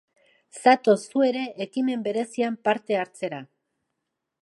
Zatoz zu ere ekimen berezian parte hartzera!